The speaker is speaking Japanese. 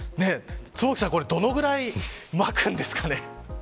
坪木さん、これどれぐらい、まくんですかね。